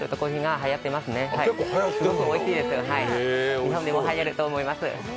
日本でもはやると思います。